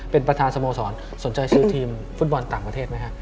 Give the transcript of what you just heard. เป็นประธานสโมสรสนใจซื้อทีมฟุตบอลต่างประเทศไหมฮะ